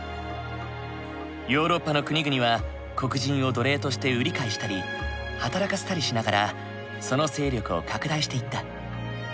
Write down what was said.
ヨーロッパの国々は黒人を奴隷として売り買いしたり働かせたりしながらその勢力を拡大していった。